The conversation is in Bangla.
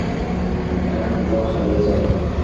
যেন কোথাও হারিয়ে যাই।